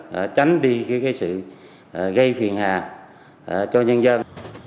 và tránh đi cái sự gây phiền hạ cho nhân dân